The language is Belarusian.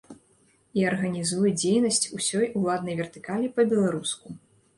І арганізуе дзейнасць усёй уладнай вертыкалі па-беларуску.